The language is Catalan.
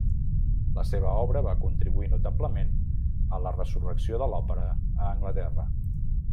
La seva obra va contribuir notablement a la resurrecció de l'òpera a Anglaterra.